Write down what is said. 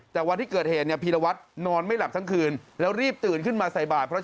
แต่วันที่เกิดเหตุเนี่ยพีรวัตรนอนไม่หลับทั้งคืนแล้วรีบตื่นขึ้นมาใส่บาทเพราะ